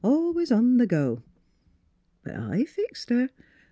Al ways on the go. But I fixed her.